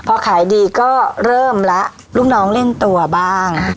พอขายดีก็เริ่มแล้วลูกน้องเล่นตัวบ้าง